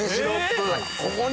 ここに？